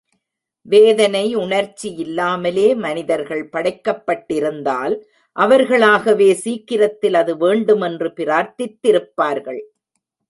வேதனை உணர்ச்சி யில்லாமலே மனிதர்கள் படைக்கப்பட்டிருந்தால், அவர்களாகவே சீக்கிரத்தில் அது வேண்டுமென்று பிரார்த்தித்திருப்பார்கள்.